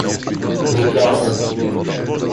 приказ